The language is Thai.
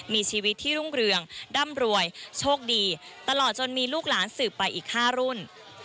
มีชีวิตที่รุ่งเรืองร่ำรวยโชคดีตลอดจนมีลูกหลานสืบไปอีก๕รุ่น